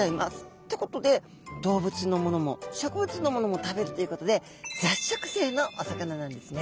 ってことで動物のものも植物のものも食べるということで雑食性のお魚なんですね。